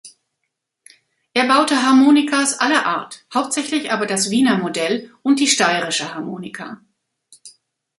Er baute Harmonikas aller Art, hauptsächlich aber das Wiener Modell und die Steirische Harmonika.